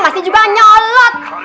masih juga nyolot